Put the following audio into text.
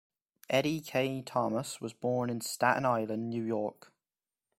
Eddie Kaye Thomas was born in Staten Island, New York.